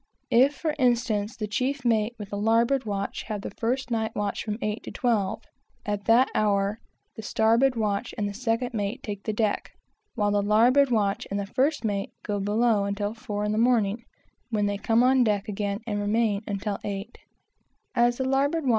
If, for instance, the chief mate with the larboard watch have the first night watch from eight to twelve; at the end of the four hours, the starboard watch is called, and the second mate takes the deck, while the larboard watch and the first mate go below until four in the morning, when they come on deck again and remain until eight; having what is called the morning watch.